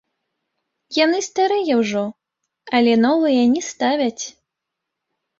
Яны старыя ўжо, але новыя не ставяць.